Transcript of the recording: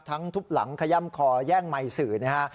ทั้งทุบหลังขย่ำคอย่างไมสื่อนะฮะ